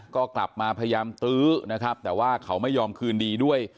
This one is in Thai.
ก็กลับมาพยายามตื้อนะครับแต่ว่าเขาไม่ยอมคืนดีด้วย